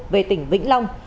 về tỉnh vĩnh long